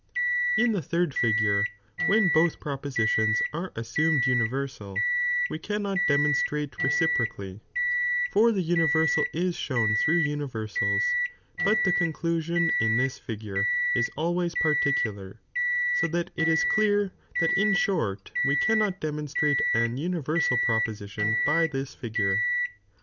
In the third figure, when both propositions are ,[„^■^^^ assumed universal, we cannot demonstrate reci flgurt, when procally, for the universal is shown through uni no'ns a"Tni versals, hut the conclusion in this figure is alwaya '^"^"'^'^ particular, bo that it is clear that in short wc can iion 1d Kcinis; not demonstrate an universal proposition by tbia i. Tsmam figure.